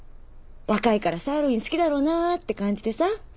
若いからサーロイン好きだろうなって感じでさ。